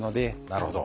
なるほど。